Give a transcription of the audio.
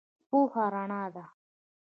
پوهه رڼا ده